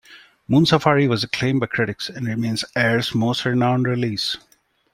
"Moon Safari" was acclaimed by critics and remains Air's most renowned release.